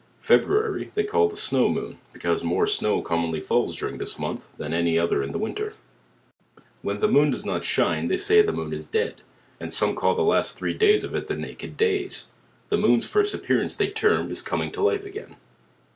February, they call the Snow Moon, because more snow commonly falls during this month, than any other in the win ter. When the Moon does not shine they sayjthe Moon is dead; and some call the three last days of it the naked days. The Moon's first appearance they term, is coming to life again.